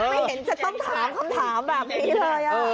ไม่เห็นจะต้องถามคำถามแบบนี้เลย